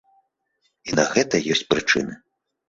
І на гэта ёсць прычыны.